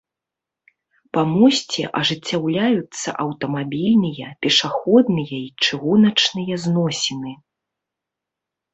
Па мосце ажыццяўляюцца аўтамабільныя, пешаходныя і чыгуначныя зносіны.